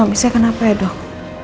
suami saya kenapa ya dok